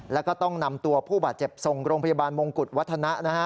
แล้วก็ต้องนำตัวผู้บาดเจ็บส่งโรงพยาบาลมงกุฎวัฒนะ